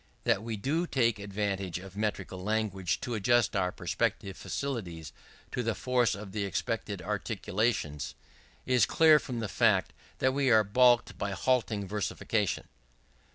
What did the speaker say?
That we do take advantage of metrical language to adjust our perceptive faculties to the force of the expected articulations, is clear from the fact that we are balked by halting versification.